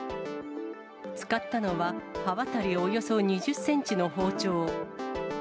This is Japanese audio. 使ったのは、刃渡りおよそ２０センチの包丁。